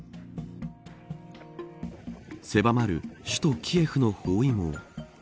狭まる首都キエフの包囲網。